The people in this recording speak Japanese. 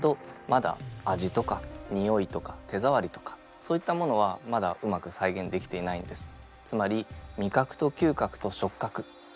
まだ味とかにおいとか手ざわりとかそういったものはまだうまく再現できていないんです。